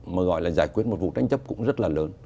mà gọi là giải quyết một vụ tranh chấp cũng rất là lớn